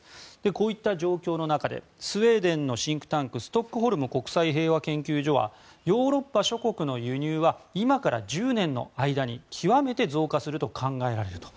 こういった状況の中でスウェーデンのシンクタンクストックホルム国際平和研究所はヨーロッパ諸国の輸入は今から１０年の間に極めて増加すると考えられると。